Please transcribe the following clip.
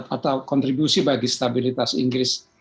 atau kontribusi bagi stabilitas inggris